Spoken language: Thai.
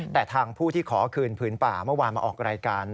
แต่ทางผู้ที่ขอคืนผืนป่าเมื่อวานมาออกรายการ